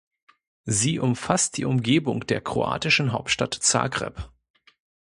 Sie umfasst die Umgebung der kroatischen Hauptstadt Zagreb.